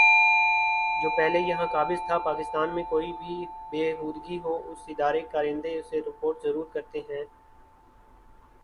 جو پہلے یہاں قابض تھا پاکستان میں کوئی بھی بے ہودگی ہو اس ادارے کے کارندے اسے رپورٹ ضرور کرتے ہیں